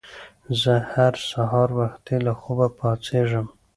زه هر سهار وختي له خوبه پاڅېږم